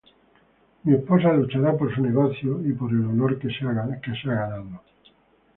Mi esposa luchará por su negocio y por el honor que se ganado.